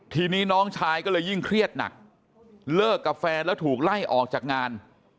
ทีนี้น้องชายก็เลยยิ่งเครียดหนักเลิกกับแฟนแล้วถูกไล่ออกจากงาน